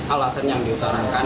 alasan yang diutarkan